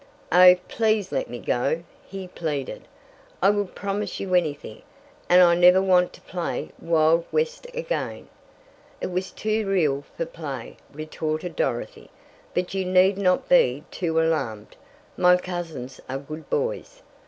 "Oh, please let me go!" he pleaded. "I will promise you anything, and I never want to play Wild West again!" "It was too real for play," retorted Dorothy. "But you need not be too alarmed. My cousins are good boys."